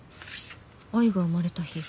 「愛が生まれた日」。